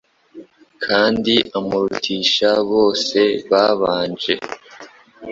kandi umurutisha bose babanje